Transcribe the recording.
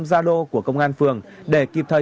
zalo của công an phường để kịp thời